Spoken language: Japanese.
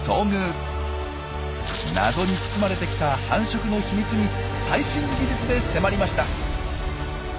謎に包まれてきた繁殖のヒミツに最新技術で迫りました。